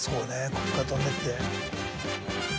こっから飛んでって。